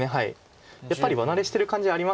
やっぱり場慣れしてる感じあります。